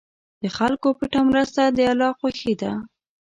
د خلکو پټه مرسته د الله خوښي ده.